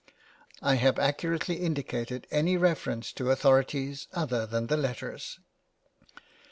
I have accurately indicated any reference to authorities other than the letters.